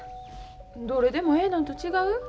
どれでもええのんと違う？